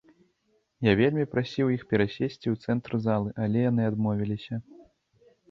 Я вельмі прасіў іх перасесці ў цэнтр залы, але яны адмовіліся.